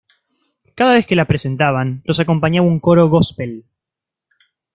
Cada vez que la presentaban, los acompañaba un coro góspel.